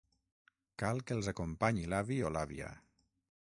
Cal que els acompanyi l'avi o l'àvia.